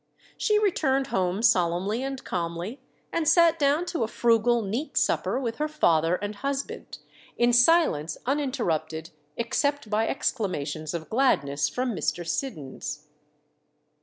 She returned home solemnly and calmly, and sat down to a frugal, neat supper with her father and husband, in silence uninterrupted, except by exclamations of gladness from Mr. Siddons.